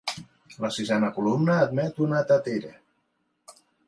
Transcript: La sisena columna admet una tetera.